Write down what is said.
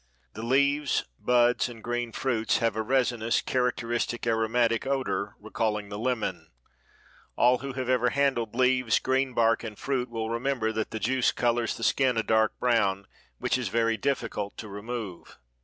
The leaves, buds and green fruits have a resinous, characteristic aromatic odor, recalling the lemon. All who have ever handled leaves, green bark and fruit will remember that the juice colors the skin a dark brown which is very difficult to remove.